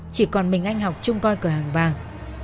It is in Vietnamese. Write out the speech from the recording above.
chỉ còn mình anh học chung coi cửa hàng vàng